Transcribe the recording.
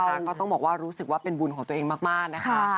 ก็ต้องบอกว่ารู้สึกว่าเป็นบุญของตัวเองมากนะคะ